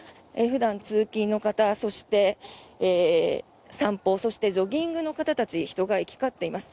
普段、通勤の方、そして散歩そしてジョギングの方たち人が行き交っています。